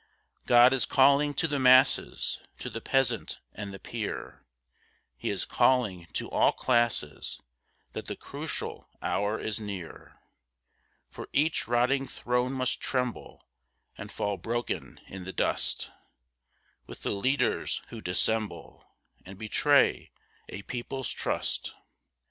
God is calling to the masses, to the peasant, and the peer; He is calling to all classes, that the crucial hour is near; For each rotting throne must tremble, and fall broken in the dust, With the leaders who dissemble, and betray a people's trust.